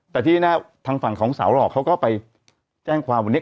แต่ที่แน่ทางฝั่งของสาวหลอกเขาก็ไปแจ้งความวันนี้